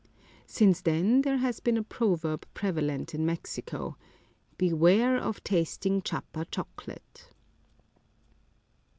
Since then there has been a proverb prevalent in Mexico :" Beware of tasting Chiapa chocolate."